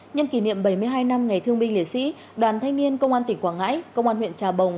nhân kỷ niệm bảy mươi hai năm ngày thương binh liệt sĩ đoàn thanh niên công an tỉnh quảng ngãi công an huyện trà bồng